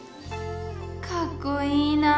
かっこいいなぁ！